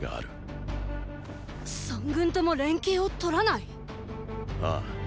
三軍とも連携をとらない⁉ああ。